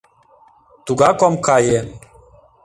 Тугак ом кае.